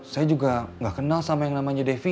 saya juga gak kenal sama yang namanya devi